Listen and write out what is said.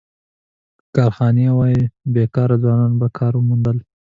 که کارخانې وای، بېکاره ځوانان به کار موندل.